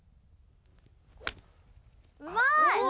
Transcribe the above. うまい！